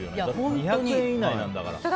２００円以内なんだから。